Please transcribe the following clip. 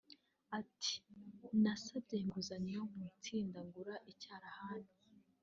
Ati “Nasabye inguzanyo mu itsinda ngura icyarahani